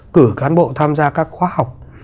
cử cán bộ tham gia các khoa học